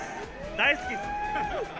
大好きです。